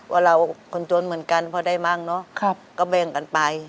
ว่าเราคนจนเหมือนกันพอได้มั่งเนอะก็แบ่งกันไป